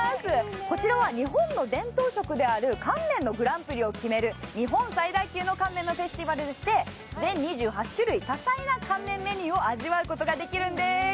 こちらは日本の伝統色である乾麺のグランプリを決める、日本最大級の乾麺のフェスティバルとして全２８種類、多彩な乾麺メニューを味わうことができるんです。